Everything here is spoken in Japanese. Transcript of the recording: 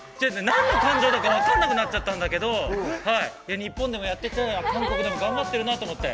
何の感情かわからなくなっちゃったんだけど、日本でもやってて、韓国でも頑張ってるなと思って。